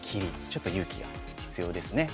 ちょっと勇気が必要ですね。